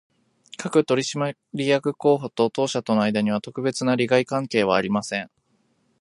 各取締役候補と当社との間には、特別な利害関係はありません